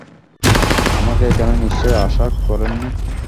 আমাকে এখানে নিশ্চয়ই আশা করেননি।